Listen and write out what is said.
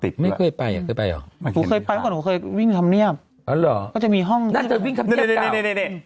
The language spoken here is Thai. แต่ว่าไม่เคยไปอยากไปไปก่อนเคยวิ่งสำนียบก็จะมีห้องนี่นะ